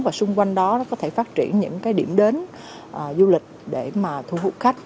và xung quanh đó nó có thể phát triển những cái điểm đến du lịch để mà thu hút khách